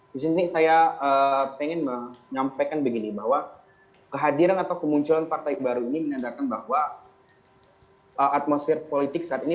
di sini saya ingin menyampaikan begini bahwa kehadiran atau kemunculan partai baru ini menandakan bahwa atmosfer politik saat ini